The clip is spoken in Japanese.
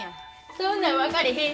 そんなん分かれへん。